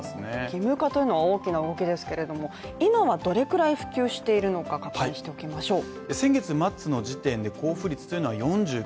義務化というのは大きな動きですけれども今はどのくらい普及しているのか確認しておきましょう。